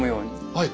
はい。